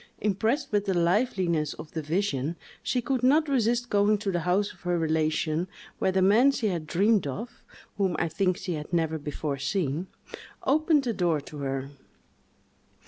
Impressed with the liveliness of the vision, she could not resist going to the house of her relation, where the man she had dreamed of (whom I think she had never before seen) opened the door to her.